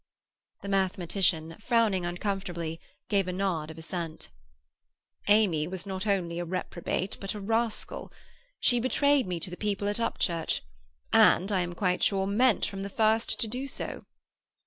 The mathematician, frowning uncomfortably, gave a nod of assent. "Amy was not only a reprobate, but a rascal. She betrayed me to the people at Upchurch, and, I am quite sure, meant from the first to do so.